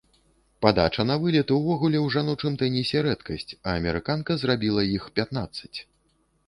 Падача на вылет увогуле ў жаночым тэнісе рэдкасць, а амерыканка зрабіла іх пятнаццаць.